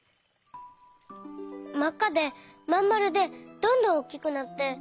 まっかでまんまるでどんどんおっきくなって。